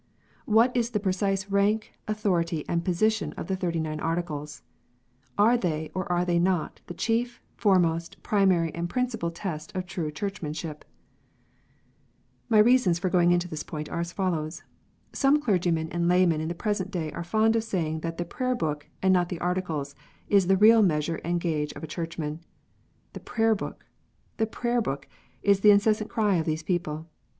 " What is the precise ranJt, authority, and position of the TJiirty wine Articles ? Are they, or are they not, the chief, foremost, primary, and principal test of true Churchmanship ?" My reasons for going into this point are as follows. Some clergymen and laymen in the present day are fond of saying that the Prayer book, and not the Articles, is the real measure and gauge of a Churchman. " The Prayer book ! the Prayer book!" is the incessant cry of these people.